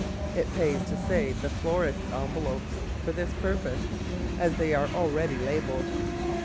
It pays to save the florists' envelopes for this purpose, as they are already labelled.